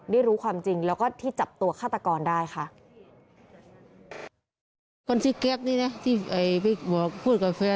รู้ความจริงแล้วก็ที่จับตัวฆาตกรได้ค่ะ